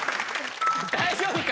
大丈夫か？